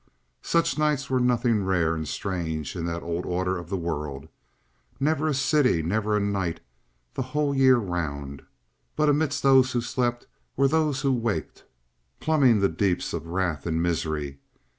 Such nights were nothing rare and strange in that old order of the world. Never a city, never a night the whole year round, but amidst those who slept were those who waked, plumbing the deeps of wrath and misery.